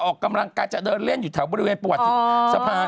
ออกกำลังกายจะเดินเล่นอยู่แถวบริเวณประวัติสะพาน